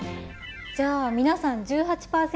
じゃあ皆さん１８％